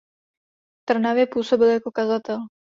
V Trnavě působil jako kazatel.